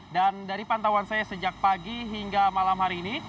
dan dari pantauan saya sejak pagi hingga malam hari ini